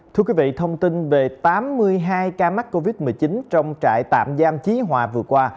thưa quý vị thông tin về tám mươi hai ca mắc covid một mươi chín trong trại tạm giam chí hòa vừa qua